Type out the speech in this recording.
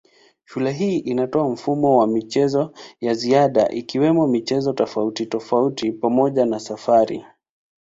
Shule hii inatoa mfumo wa michezo ya ziada ikiwemo michezo tofautitofauti pamoja na safari.